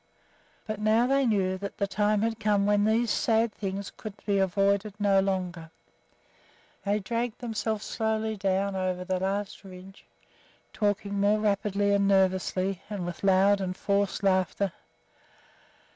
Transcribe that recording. But now they knew that the time had come when these sad things could be avoided no longer. They dragged themselves slowly down over the last ridge, talking more rapidly and nervously, and with loud and forced laughter.